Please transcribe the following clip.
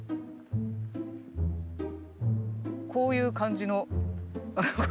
こういう感じの。